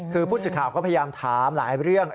คือผู้สื่อข่าวก็พยายามถามหลายเรื่อง